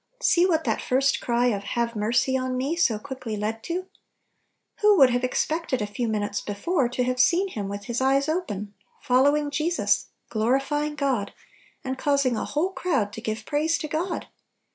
8ee what that first cry of "Have mercy on me," so quickly led to ! "Who would have Expected a few minutes before" to have seen him with his eyes open, fol lowing Jesus, glorifying God, and caus ing a whole crowd to give praise to God!